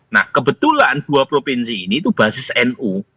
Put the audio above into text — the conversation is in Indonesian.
nah kebetulan dua provinsi ini itu basis nu